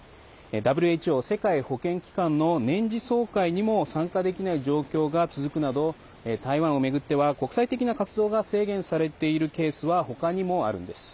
ＷＨＯ＝世界保健機関の年次総会にも参加できない状況が続くなど台湾を巡っては国際的な活動が制限されているケースは他にもあるんです。